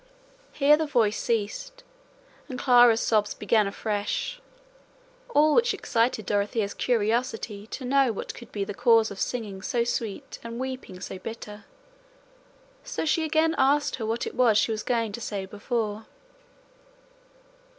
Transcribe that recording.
Here the voice ceased and Clara's sobs began afresh, all which excited Dorothea's curiosity to know what could be the cause of singing so sweet and weeping so bitter, so she again asked her what it was she was going to say before.